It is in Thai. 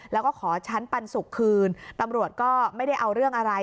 แล้วก็ขอชั้นปันสุกคืนตำรวจก็ไม่ได้เอาเรื่องอะไร